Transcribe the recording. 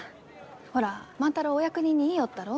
ほら万太郎お役人に言いよったろう？